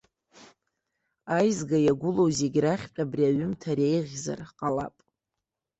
Аизга иагәылоу зегь рахьтә абри аҩымҭа реиӷьзар ҟалап.